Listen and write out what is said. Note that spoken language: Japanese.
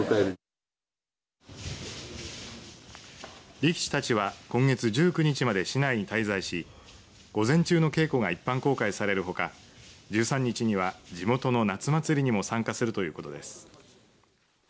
力士たちは今月１９日まで市内に滞在し午前中の稽古が一般公開されるほか１３日には、地元の夏祭りにも参加するということです。